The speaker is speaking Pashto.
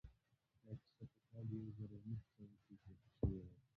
دا کيسه په کال يو زر و نهه سوه کې پېښه شوې ده.